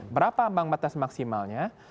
berapa ambang batas maksimalnya